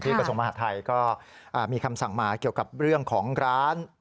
กระทรวงมหาทัยก็มีคำสั่งมาเกี่ยวกับเรื่องของร้าน